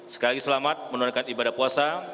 sekali lagi selamat menurunkan ibadah puasa